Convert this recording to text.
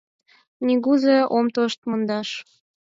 Нигузе ом тошт мондаш.